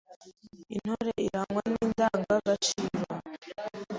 Intore irangwa n’indaganga gaciro